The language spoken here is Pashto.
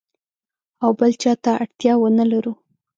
او بل چاته اړتیا ونه لرو.